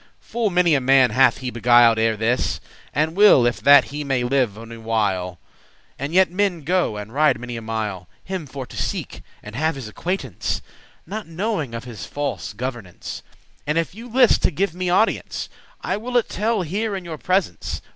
fond of him* Full many a man hath he beguil'd ere this, And will, if that he may live any while; And yet men go and ride many a mile Him for to seek, and have his acquaintance, Not knowing of his false governance.* *deceitful conduct And if you list to give me audience, I will it telle here in your presence.